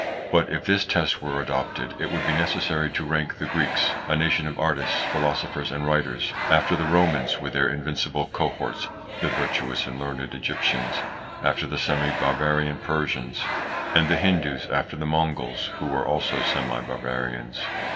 But if this test were adopted, it would be necessary to rank the Greeks, a nation of artists, philosophers, and writers, after the Romans with their invincible cohorts, the virtuous and learned Egyptians after the semi barbarian Persians, and the Hindoos after the Mongols who were also semi barbarians.